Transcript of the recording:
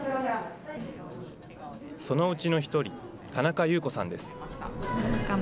そのうちの１人、田中佑子さんです。